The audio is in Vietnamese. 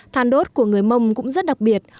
thàn đốt của người mông cũng rất đặc biệt